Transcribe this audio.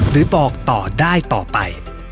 หรือบอกต่อได้ต่อไป